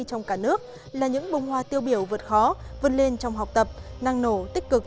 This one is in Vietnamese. trong cả nước là những bông hoa tiêu biểu vượt khó vươn lên trong học tập năng nổ tích cực